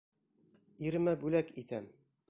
Иремә бүләк итәм.